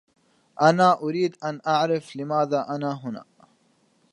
أنا أريد أن أعرف لماذا أنا هنا.